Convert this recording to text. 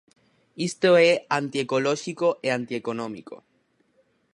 Isto é antiecolóxico e antieconómico.